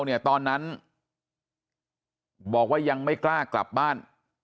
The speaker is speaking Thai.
เนี่ยตอนนั้นบอกว่ายังไม่กล้ากลับบ้าน